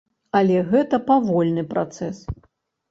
Але гэта павольны працэс.